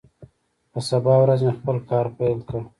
په سبا ورځ مې خپل کار پیل کړ.